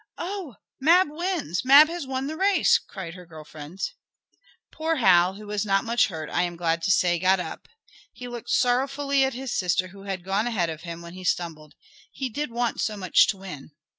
"Oh, Mab wins! Mab has won the race!" cried her girl friends. Poor Hal, who was not much hurt, I am glad to say, got up. He looked sorrowfully at his sister who had gone ahead of him, when he stumbled. He did want so much to win!